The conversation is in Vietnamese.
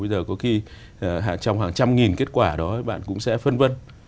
bây giờ có khi trong hàng trăm nghìn kết quả đó bạn cũng sẽ phân vân